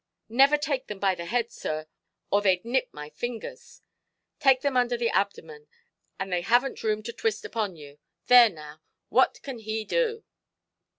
Never take them by the head, sir, or theyʼd nip my fingers. Take them under the abdomen, and they havenʼt room to twist upon you. There, now; what can he do"?